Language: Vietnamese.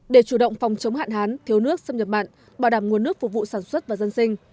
để chủ động phòng chống hạn hán thiếu nước xâm nhập mặn bảo đảm nguồn nước phục vụ sản xuất và dân sinh